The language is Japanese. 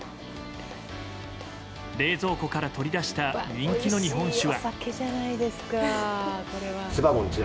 冷蔵庫から取り出した人気の日本酒は。